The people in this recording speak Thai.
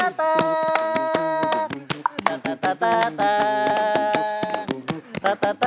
ขอบคุณครับ